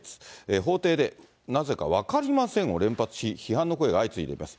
法廷でなぜか分かりませんを連発し、批判の声が相次いでいます。